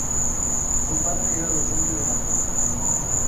Su padre era docente de matemática.